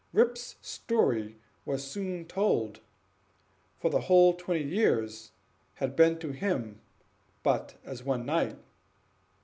Rip's story was soon told, for the whole twenty years had been to him but as one night.